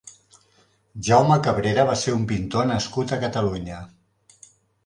Jaume Cabrera va ser un pintor nascut a Catalunya.